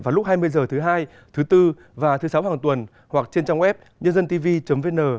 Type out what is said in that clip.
vào lúc hai mươi h thứ hai thứ bốn và thứ sáu hàng tuần hoặc trên trang web nhândântv vn